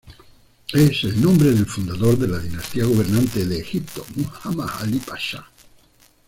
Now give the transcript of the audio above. Es el nombre del fundador de la dinastía gobernante de Egipto, Muhammad Ali Pasha.